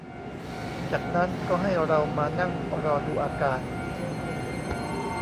จากนั้นก็ให้เรามานั่งรอดูอาการ